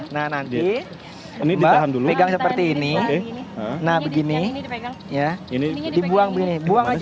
nah nanti mbak pegang seperti ini nah begini dibuang begini